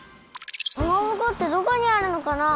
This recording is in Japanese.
かまぼこってどこにあるのかな。